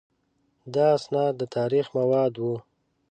دا اسناد د تاریخ مواد وو.